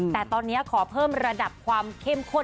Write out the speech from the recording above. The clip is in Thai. แต่ตอนนี้ขอเพิ่มระดับความเข้มข้น